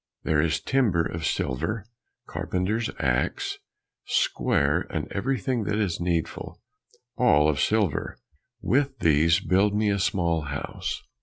There is timber of silver, carpenter's axe, square, and everything that is needful, all of silver, with these build me a small house."